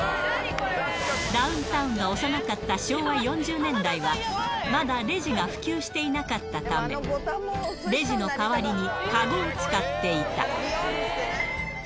ダウンタウンが幼かった昭和４０年代は、まだレジが普及していなかったため、レジの代わりに籠を使っていた。